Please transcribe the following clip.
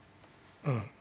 うん。